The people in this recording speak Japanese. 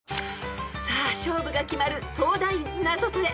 ［さあ勝負が決まる東大ナゾトレ］